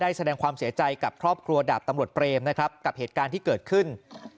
แสดงความเสียใจกับครอบครัวดาบตำรวจเปรมนะครับกับเหตุการณ์ที่เกิดขึ้น